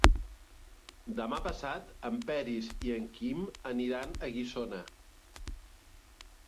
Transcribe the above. Demà passat en Peris i en Quim aniran a Guissona.